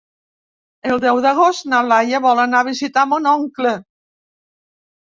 El deu d'agost na Laia vol anar a visitar mon oncle.